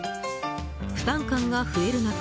負担感が増える中